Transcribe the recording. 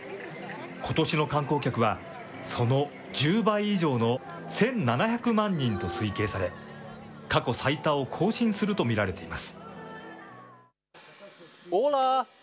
ことしの観光客は、その１０倍以上の１７００万人と推計され、過去最多を更新すると見られています。